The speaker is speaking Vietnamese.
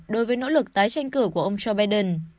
đối với nỗ lực tái tranh cử của ông joe biden